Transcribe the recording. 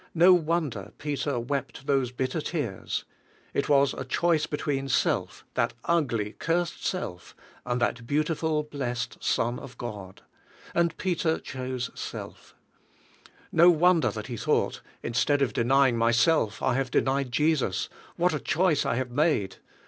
No wonder Peter wept those bitter tears. It was a choice between self, that ugl}^ cursed self, and that beautiful, blessed Son of God; and Peter 32 THE SELF LIFE chose self. No wonder that he thought: "Instead of denying m3^self, I have denied Jesus; what a choice I have made!"